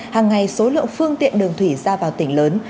hàng ngày số lượng phương tiện đường thủy ra vào tỉnh lớn